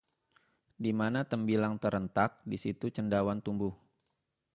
Di mana tembilang terentak, di situ cendawan tumbuh